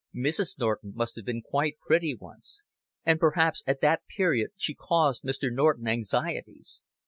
Mrs. Norton must have been quite pretty once, and perhaps at that period she caused Mr. Norton anxieties.